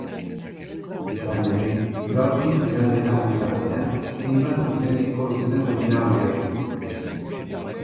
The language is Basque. Izan ere, gaurtik igandera bitartean hainbat zuzeneko izango dira gurean.